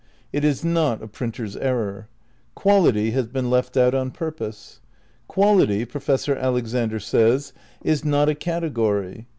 It is not a printer's error. Quality has been left out on purpose. Quality, Professor Alexander says, is not a category.